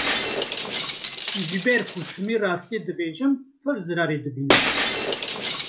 Ji ber ku timî rastiyê dibêjim pir zirarê dibînim.